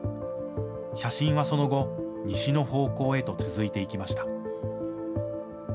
写真はその後、西の方向へと続いていきました。